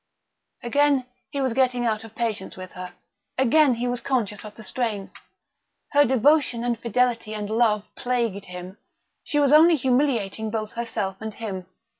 Again he was getting out of patience with her; again he was conscious of the strain. Her devotion and fidelity and love plagued him; she was only humiliating both herself and him.